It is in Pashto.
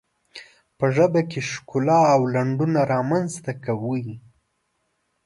په ژبه کې ښکلا او لنډون رامنځته کوي.